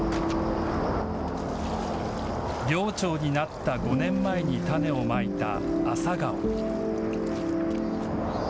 寮長になった５年前に種をまいた朝顔。